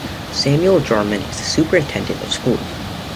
Samuel Jarman is the Superintendent of Schools.